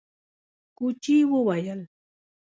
کوچي وويل: